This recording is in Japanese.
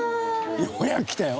ようやく来たよ。